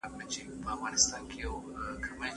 ما چي ګولیو ته سینه سپرول